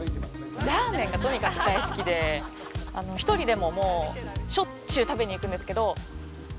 ラーメンがとにかく大好きで１人でもしょっちゅう食べに行くんですけど。